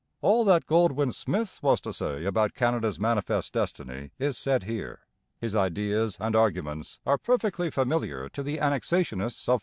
All that Goldwin Smith was to say about Canada's manifest destiny is said here. His ideas and arguments are perfectly familiar to the Annexationists of '49.